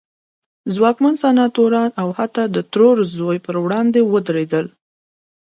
ځواکمن سناتوران او حتی د ترور زوی پر وړاندې ودرېدل.